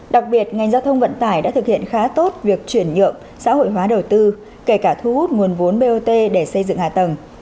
đặc biệt ngành giao thông vận tải đã thực hiện khá tốt việc chuyển nhượng xã hội hóa đầu tư kể cả thu hút nguồn vốn bot để xây dựng hạ tầng